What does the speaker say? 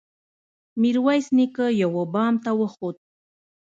ميرويس نيکه يوه بام ته وخوت.